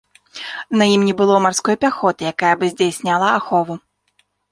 На ім не было марской пяхоты, якая бы здзяйсняла ахову.